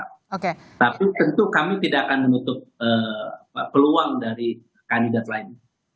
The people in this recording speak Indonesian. tapi tentu kami tidak akan menutup peluang dari kandidat lain